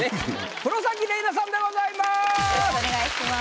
黒崎レイナさんでございます。